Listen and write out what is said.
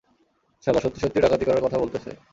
শালা, সত্যি সত্যি ডাকাতি করার কথা বলতেসে।